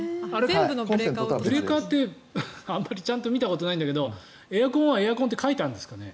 ブレーカーって、あまりちゃんと見たことないんだけどエアコンはエアコンって書いてあるんですかね？